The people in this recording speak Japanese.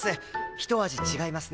ひと味違いますね。